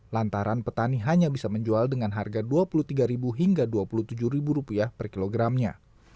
lantaran petani hanya bisa menjual dengan harga rp dua puluh tiga hingga rp dua puluh tujuh per kilogramnya